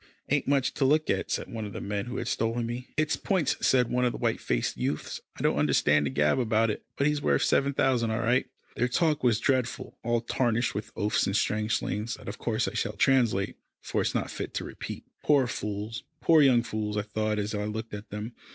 "Ain't much to look at," said one of the men who had stolen me. "It's points," said one of the white faced youths. "I don't understand the gab about it, but he's worth seven thousand all right." Their talk was dreadful all tarnished with oaths and strange slang that of course I shall translate, for it is not fit to repeat. Poor fools poor young fools, I thought as I looked at them.